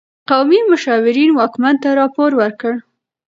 قومي مشاورین واکمن ته راپور ورکړ.